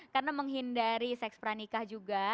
karena menghindari seks peranikah juga